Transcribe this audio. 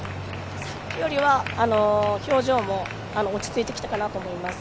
さっきよりは表情も落ち着いてきたかなと思います。